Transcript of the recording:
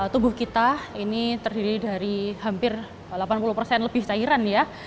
tubuh kita ini terdiri dari hampir delapan puluh persen lebih cairan ya